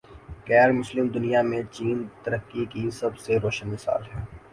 غیر مسلم دنیا میں چین ترقی کی سب سے روشن مثال ہے۔